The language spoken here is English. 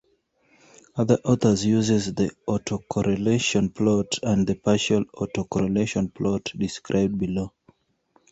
Other authors use the autocorrelation plot and the partial autocorrelation plot, described below.